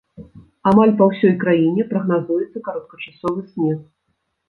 Амаль па ўсёй краіне прагназуецца кароткачасовы снег.